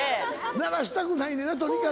ならしたくないねんなとにかく。